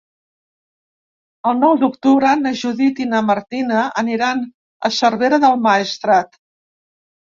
El nou d'octubre na Judit i na Martina aniran a Cervera del Maestrat.